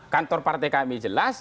kantor partai kami jelas